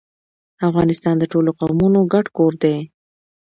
افغانستان د ټولو قومونو ګډ کور دی.